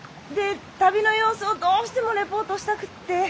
で旅の様子をどうしてもレポートしたくって。